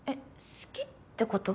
好きってこと？